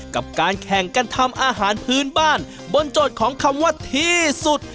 กับการแข่งกันทำอาหารพื้นบ้านบนโจทย์ของคำว่าที่สุด